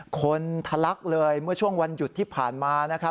ทะลักเลยเมื่อช่วงวันหยุดที่ผ่านมานะครับ